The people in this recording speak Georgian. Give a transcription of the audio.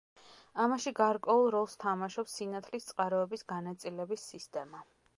ამაში გარკვეულ როლს თამაშობს სინათლის წყაროების განაწილების სისტემა.